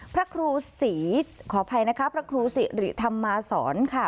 พระครูศรีขออภัยนะครับพระครูศรีหรือธรรมาศรค่ะ